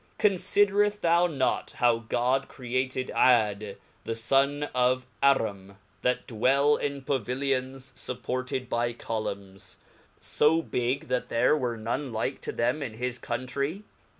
Confidereft thou not how God entreated Jad the Sun of Arem^ that dwelt in paviilions fupported by columns, fo big, that there were none like to them in his Countrey